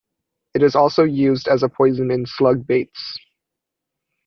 It is also used as a poison in slug baits.